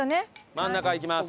真ん中行きます。